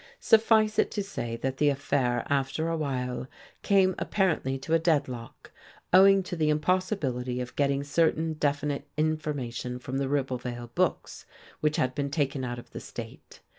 Since it to say that the affair, after a while, came apparently to a deadlock, owing to the impossibility of getting certain definite information from the Ribblevale books, which had been taken out of the state.